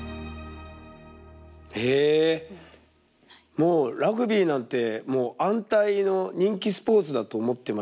もうラグビーなんてもう安泰の人気スポーツだと思ってましたけど。